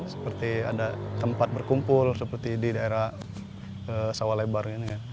seperti ada tempat berkumpul seperti di daerah sawah lebar ini